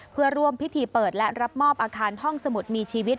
เพื่อร่วมพิธีเปิดและรับมอบอาคารห้องสมุดมีชีวิต